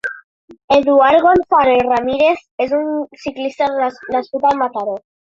Eduard Gonzalo i Ramírez és un ciclista nascut a Mataró.